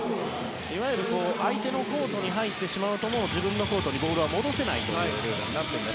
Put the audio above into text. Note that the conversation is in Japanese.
いわゆる相手のコートに入ってしまうともう自分のコートにボールは戻せないルールです。